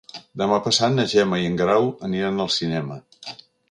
Demà passat na Gemma i en Guerau aniran al cinema.